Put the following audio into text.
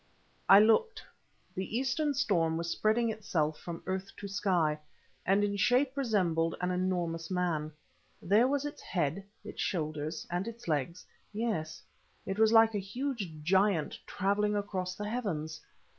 I looked; the eastern storm was spreading itself from earth to sky, and in shape resembled an enormous man. There was its head, its shoulders, and its legs; yes, it was like a huge giant travelling across the heavens.